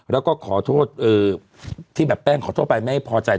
แล้วก็ขอโทษที่แบบแป้งขอโทษไปไม่พอใจ